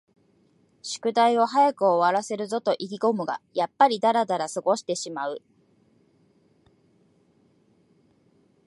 宿題を早く終わらせるぞと意気ごむが、やっぱりだらだら過ごしてしまう